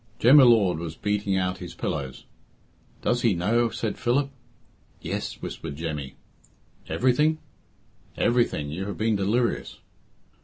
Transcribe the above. Jem y Lord was beating out his pillows. "Does he know?" said Philip. "Yes," whispered Jemmy. "Everything!" "Everything. You have been delirious."